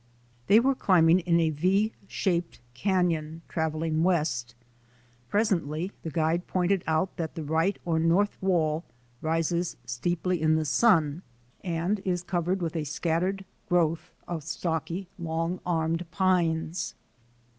They were climbing in a V shaped canon, travelling west. Presently the 185 1 86 THE ADVENTURES OF A NATURE GUIDE guide pointed out that the right or north wall rises steeply in the sun and is covered with a scat tered growth of stocky, long armed pines.